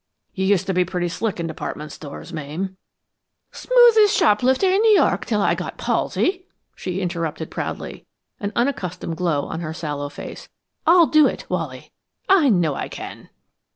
You used to be pretty slick in department stores, Mame " "Smoothest shoplifter in New York until I got palsy!" she interrupted proudly, an unaccustomed glow on her sallow face. "I'll do it, Wally; I know I can!"